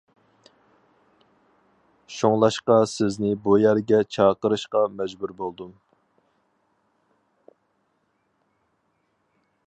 شۇڭلاشقا سىزنى بۇ يەرگە چاقىرىشقا مەجبۇر بولدۇم.